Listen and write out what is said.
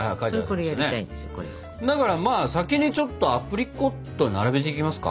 だからまあ先にちょっとアプリコット並べていきますか。